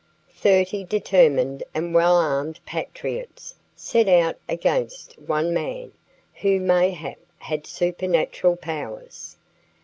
Thirty determined and well armed patriots set out against one man, who mayhap had supernatural powers.